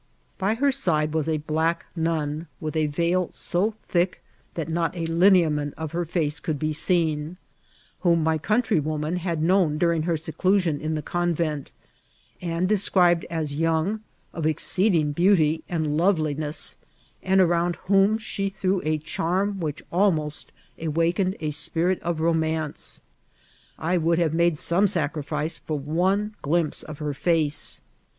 By her side was a black nui, with a Teil so thick that not a lineament of her &ce could be seen, whom my countrywoman had known dn ring her seclusion in the conyent, and described as young, of exceeding beauty and loTeliness, and around whom she threw a charm which almost awakened a spirit of romance. I would hare made some sacrifice tot one glimpse of her &ce.